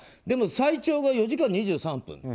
でも最長が４時間２３分。